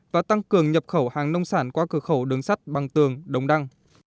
và tăng cường nhập khẩu hàng nông sản qua cửa khẩu đường sắt bằng tường đồng đăng